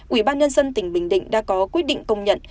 ubnd tỉnh bình định đã có quyết định công nhận